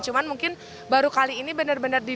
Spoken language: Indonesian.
cuma mungkin baru kali ini benar benar dipercaya